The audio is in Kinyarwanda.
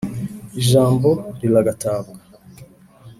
Ijambo liragatabwa